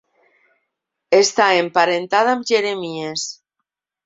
Està emparentada amb Jeremies.